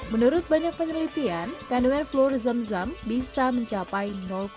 menurut banyak penelitian kandungan floor zam zam bisa mencapai